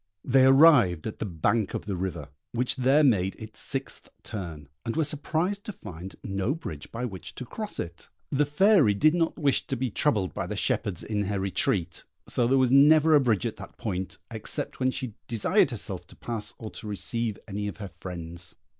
They arrived at the bank of the river, which there made its sixth turn, and were surprised to find no bridge by which to cross it. The Fairy did not wish to be troubled by the shepherds in her retreat, so there was never a bridge at that point, except when she desired herself to pass or to receive any of her friends.